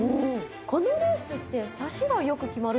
このレースって差しがよく決まるんですか？